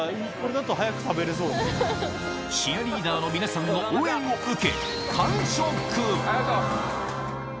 チアリーダーの皆さんの応援を受け